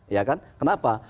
ya kan kenapa